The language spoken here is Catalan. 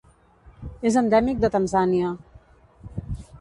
És endèmic de Tanzània.